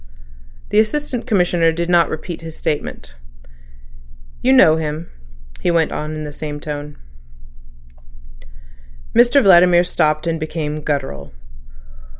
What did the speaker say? The Assistant Commissioner did not repeat his statement. "You know him," he went on in the same tone. Mr Vladimir stopped, and became guttural.